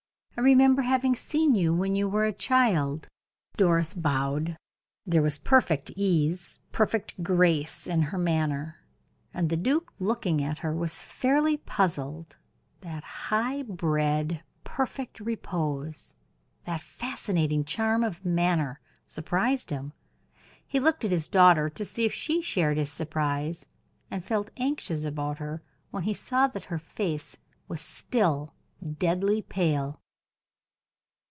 "I remember having seen you when you were a child." Doris bowed. There was perfect ease, perfect grace in her manner, and the duke, looking at her, was fairly puzzled; that high bred, perfect repose, that fascinating charm of manner surprised him. He looked at his daughter to see if she shared his surprise, and felt anxious about her when he saw that her face was still deadly pale.